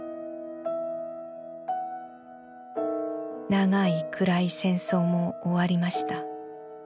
「長い暗い戦争も終りました。